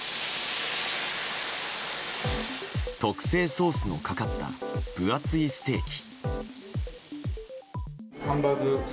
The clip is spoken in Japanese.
特製ソースのかかった分厚いステーキ。